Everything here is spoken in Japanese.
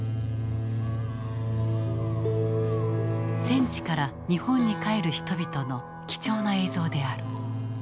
戦地から日本に帰る人々の貴重な映像である。